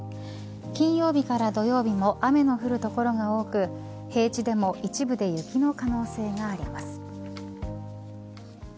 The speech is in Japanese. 金曜日から土曜日も雨の降る所が多く平地でも一部で雪の可能性があります。